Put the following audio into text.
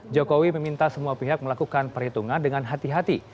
jokowi meminta semua pihak melakukan perhitungan dengan hati hati